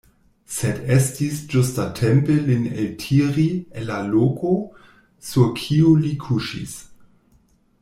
Sed estis ĝustatempe lin eltiri el la loko, sur kiu li kuŝis.